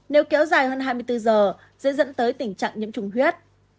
nếu kéo dài hơn hai mươi bốn giờ sẽ dẫn tới tình trạng nhiễm trùng huyết